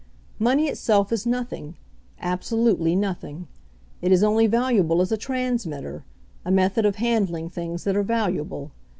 Money itself is noth ing, absolutely nothing. It is only valuable as a transmitter, a method of handling things that are valuable.